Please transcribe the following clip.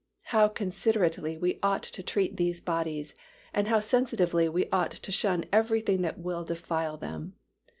How considerately we ought to treat these bodies and how sensitively we ought to shun everything that will defile them.